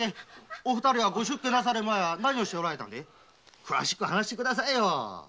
お二人はご出家なされる前は何をなさって？詳しく話してくださいよ！